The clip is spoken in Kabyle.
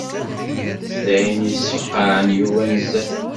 D ayen yessefqɛen Yuba nezzeh.